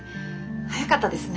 早かったですね。